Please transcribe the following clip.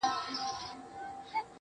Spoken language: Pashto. ښه اخلاق د انسان قوت دی.